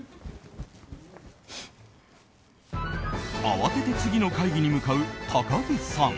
慌てて次の会議に向かう高樹さん。